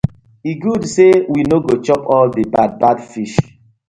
E good say we no go chop all the bad bad fish.